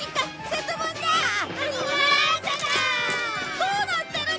どうなってるの！？